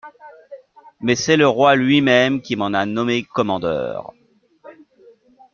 Mais c’est le roi lui-même qui m’en a nommé commandeur.